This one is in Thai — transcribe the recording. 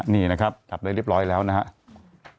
นี่นะครับจับได้เรียบร้อยแล้วนะครับ